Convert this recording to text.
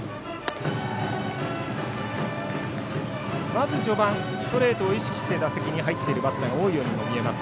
まず序盤、ストレートを意識して打席に入っているバッターが多いようにも見えます